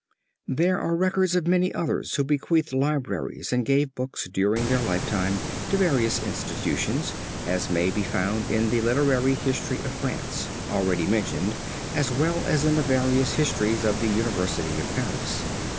There are records of many others who bequeathed libraries and gave books during their lifetime to various institutions, as may be found in the Literary History of France, [Footnote 16] already mentioned, as well as in the various histories of the University of Paris.